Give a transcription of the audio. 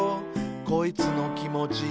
「こいつのきもち」